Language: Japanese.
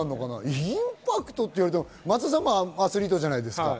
インパクトと言われても松田さんはアスリートじゃないですか。